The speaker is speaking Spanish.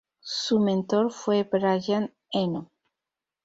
Su mentor fue Brian Eno.